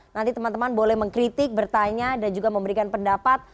nanti teman teman boleh mengkritik bertanya dan juga memberikan pendapat